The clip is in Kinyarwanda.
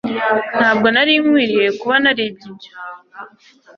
Ntabwo nari nkwiye kuba naribye ibyo